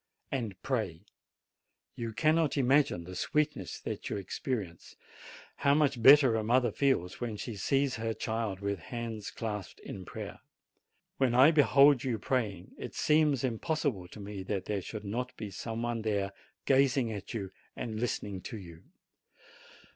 And pray. You cannot imagine the sweetness that you experience, how much better a mother feels when she sees her child with hands clasped in prayer. When I behold you praying, it seems impossible to me that there should not be some one there gazing at you and listening to you.